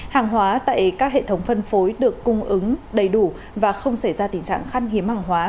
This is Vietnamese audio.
hàng hóa tại các hệ thống phân phối được cung ứng đầy đủ và không xảy ra tình trạng khăn hiếm hàng hóa